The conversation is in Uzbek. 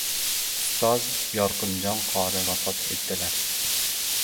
Ustoz Yorqinjon qori vafot etdilar